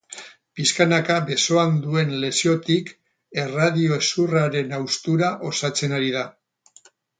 Piskanaka besoan duen lesiotik, erradio hezurraren haustura osatzen ari da.